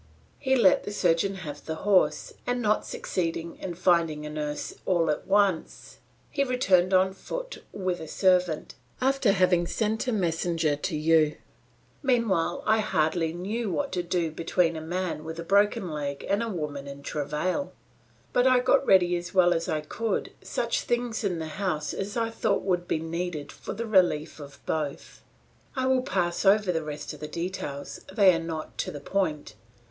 He let the surgeon have the horse, and not succeeding in finding a nurse all at once, he returned on foot with a servant, after having sent a messenger to you; meanwhile I hardly knew what to do between a man with a broken leg and a woman in travail, but I got ready as well as I could such things in the house as I thought would be needed for the relief of both. "I will pass over the rest of the details; they are not to the point.